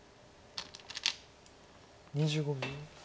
２５秒。